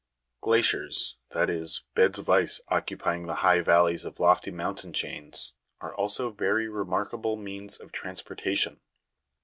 18. Glaciers, that is, beds of ice occupying the high valleys of lofty mountain chains, are also very remarkable means of trans portation.